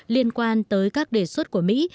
liên quan tới các đề xuất của mỹ